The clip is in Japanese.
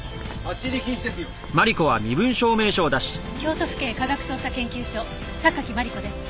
京都府警科学捜査研究所榊マリコです。